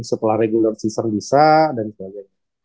setelah regular season bisa dan sebagainya